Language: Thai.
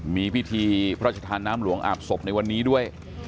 มีพิธีพระราชทานน้ำหลวงอาบศพในวันนี้ด้วย